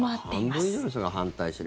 半分以上の人が反対してる。